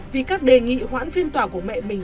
vì các đề nghị hoãn phiên tòa của mẹ mình